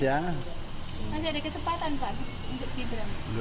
nanti ada kesempatan pak untuk gibran